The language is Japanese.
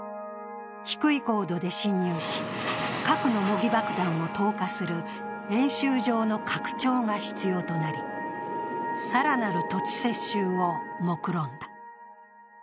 低い高度で侵入し、核の模擬爆弾を投下する演習場の拡張が必要となり、更なる土地接収をもくろんだ。